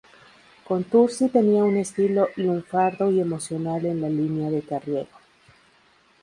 Contursi tenía un estilo lunfardo y emocional en la línea de Carriego.